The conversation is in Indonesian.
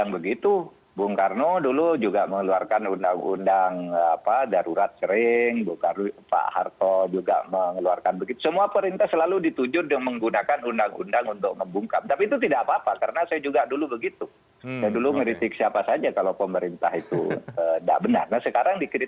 botol kaca dilempar